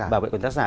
bảo vệ quyền tác giả